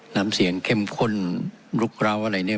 น้ำเสียงเข้มข้นลุกร้าวอะไรเนี่ย